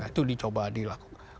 itu dicoba dilakukan